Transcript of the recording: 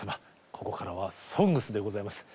ここからは「ＳＯＮＧＳ」でございます。